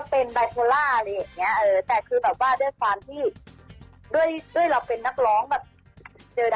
อารมณ์ดีสุดและมีอารมณ์ดาวสุด